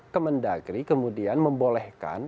kemendagri kemudian membolehkan